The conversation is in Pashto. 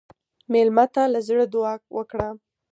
مېلمه ته له زړه دعا وکړه.